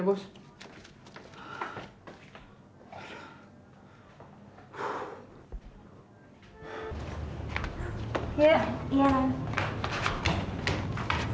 gak ada yang keping gak